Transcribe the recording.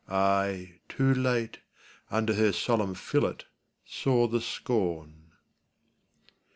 I, too late, Under her solemn fillet saw the scorn.